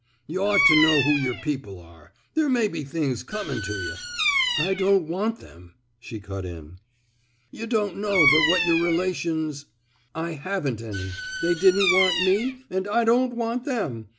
Y' ought to know who yer people are. There may be things comin' to yuh —'I don't want them," she cut in. Yuh don't know but what yer rela tions —"I haven't any. They didn't want me, and I don't want them.